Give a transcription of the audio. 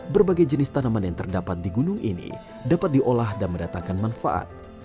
berbagai jenis tanaman yang terdapat di gunung ini dapat diolah dan mendatangkan manfaat